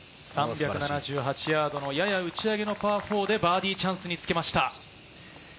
３７８ヤード、やや打ち上げのパー４でバーディーチャンスにつけました。